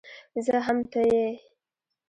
زه هم ته يې